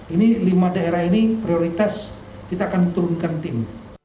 ini lima daerah ini prioritas kita akan turunkan tim